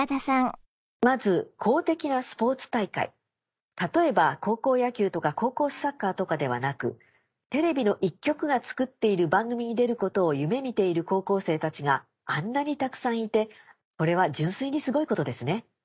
「まず公的なスポーツ大会例えば高校野球とか高校サッカーとかではなくテレビの１局が作っている番組に出ることを夢見ている高校生たちがあんなにたくさんいてこれは純粋にすごいことですね。